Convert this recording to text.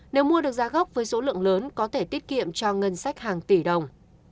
nếu mua được giá gốc với số lượng lớn có thể tiết kiệm cho ngân sách hàng tỷ đồng